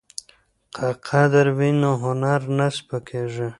که قدر وي نو هنر نه سپکیږي.